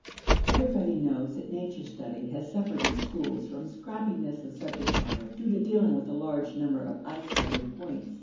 Everybody knows that nature study has suffered in schools from scrappiness of subject matter, due to dealing with a large number of isolated points.